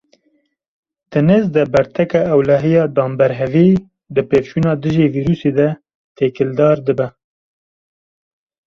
Di nêz de berteka ewlehiya danberhevî di pevçûna dijî vîrûsê de têkildar dibe.